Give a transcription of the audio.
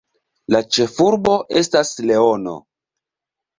La ĉefurbo estas Leono.